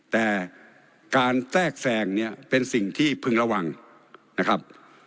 แต่การแทรกแทรงเนี่ยเป็นสิ่งที่พึงระวังนะครับ